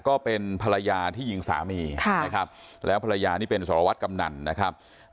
ก็เป็นภรรยาที่ยิงสามีนะครับแล้วภรรยานี่เป็นสารวัตรกำนันนะครับ